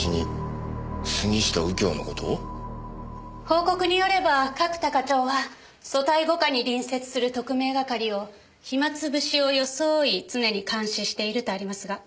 報告によれば角田課長は組対５課に隣接する特命係を暇潰しを装い常に監視しているとありますが。